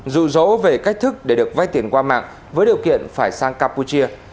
dù dỗ về cách thức để được vay tiền qua mạng với điều kiện phải sang campuchia